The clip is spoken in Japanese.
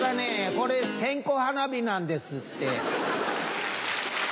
「これ線香花火なんです」って。